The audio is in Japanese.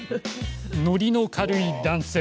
乗りの軽い男性。